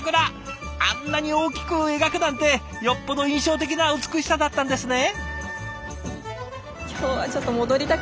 あんなに大きく描くなんてよっぽど印象的な美しさだったんですね。